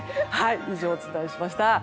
以上、お伝えしました。